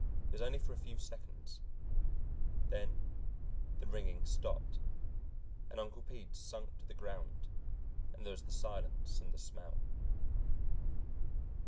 It was only for a few seconds. Then the ringing stopped, and Uncle Pete sunk to the ground, and there was the silence and the smell.